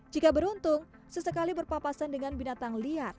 jika beruntung sesekali berpapasan dengan binatang liar